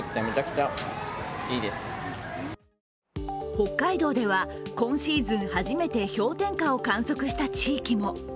北海道では今シーズン初めて氷点下を観測した地域も。